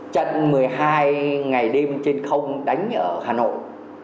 trận một mươi hai ngày đêm trên không đánh ở hà nội